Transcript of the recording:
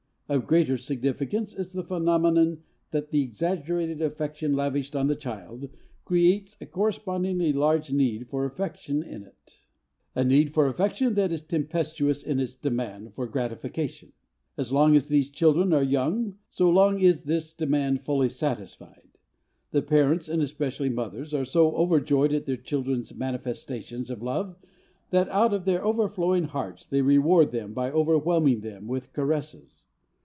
Of greater significance is the phenomenon that the exaggerated affection lavished on the child creates a correspondingly large need for affection in it. A need for affection that is tempestuous in its demand for gratification. As long as these children are young so long is this demand fully satisfied. The parents, and especially mothers, are so overjoyed at their children's manifestations of love that out of their overflowing hearts they reward them by overwhelming them with caresses.